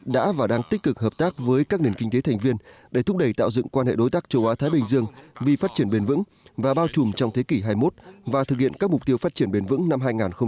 đã và đang tích cực hợp tác với các nền kinh tế thành viên để thúc đẩy tạo dựng quan hệ đối tác châu á thái bình dương vì phát triển bền vững và bao trùm trong thế kỷ hai mươi một và thực hiện các mục tiêu phát triển bền vững năm hai nghìn hai mươi